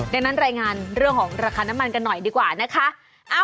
ดังนั้นรายงานเรื่องของราคาน้ำมันกันหน่อยดีกว่านะคะ